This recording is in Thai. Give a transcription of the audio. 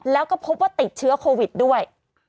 แล้วก็พบว่าติดเชื้อโควิดด้วย